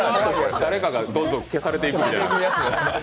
誰かがどんどん消されていくみたいな。